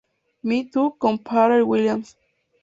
Me Too" con Pharrell Williams.